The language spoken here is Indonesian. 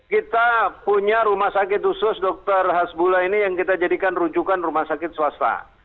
kita punya rumah sakit khusus dr hasbullah ini yang kita jadikan rujukan rumah sakit swasta